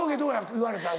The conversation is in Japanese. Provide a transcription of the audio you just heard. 言われたら。